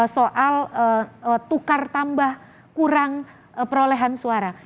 soal tukar tambah kurang perolehan suara